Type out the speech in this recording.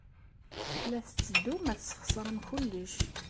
La tetteddum ad tesxeṣrem kullec.